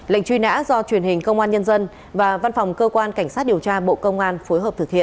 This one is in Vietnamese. lệnh truy nã do truyền hình công an nhân dân và văn phòng cơ quan cảnh sát điều tra bộ công an phối hợp thực hiện